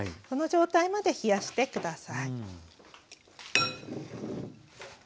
この状態まで冷やして下さい。